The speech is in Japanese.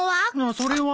それは。